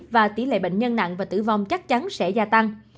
và tỷ lệ bệnh nhân nặng và tử vong chắc chắn sẽ gia tăng